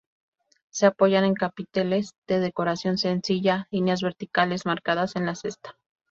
Se apoyan en capiteles de decoración sencilla: líneas verticales marcadas en la cesta.